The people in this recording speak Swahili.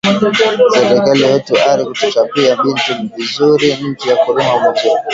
Serkali wetu ari tupachiya bintu bizuri nju ya kurima muzuri